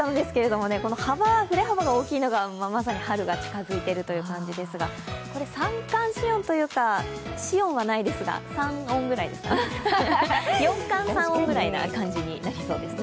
触れ幅が大きいのが、まさに春が近づいているという感じですが、三寒四温というか、四温はないですが三温ぐらいですかね、四寒三温ぐらいになりそうですね。